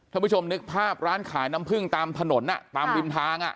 ผู้ชมนึกภาพร้านขายน้ำพึ่งตามถนนตามริมทาง